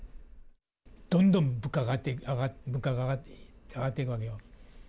どんどん物価が上がっていくわけよ。